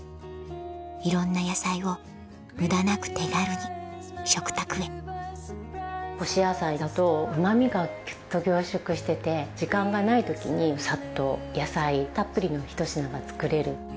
いろんな野菜を無駄なく手軽に食卓へ干し野菜だとうまみがギュっと凝縮してて時間がない時にサッと野菜たっぷりの一品が作れる。